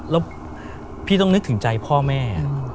แล้วพี่ต้องนึกถึงใจพ่อแม่